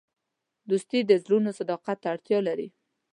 دوستي د زړونو صداقت ته اړتیا لري.